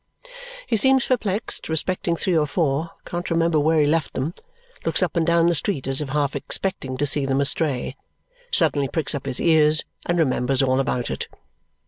He seems perplexed respecting three or four, can't remember where he left them, looks up and down the street as half expecting to see them astray, suddenly pricks up his ears and remembers all about it.